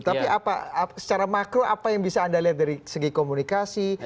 tapi secara makro apa yang bisa anda lihat dari segi komunikasi